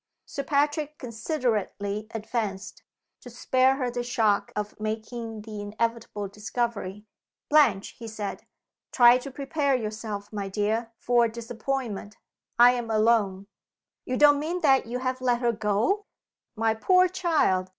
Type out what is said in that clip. Sir Patrick considerately advanced, to spare her the shock of making the inevitable discovery. "Blanche," he said. "Try to prepare yourself, my dear, for a disappointment. I am alone." "You don't mean that you have let her go?" "My poor child!